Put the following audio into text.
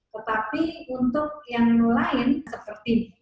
tetapi untuk yang lain seperti